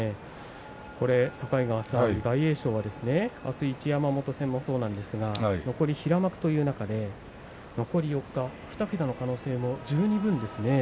境川さん、大栄翔はあす一山本戦もそうなんですが残り平幕という中で残り４日、２桁の可能性も十二分ですね。